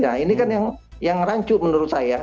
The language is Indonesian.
nah ini kan yang rancu menurut saya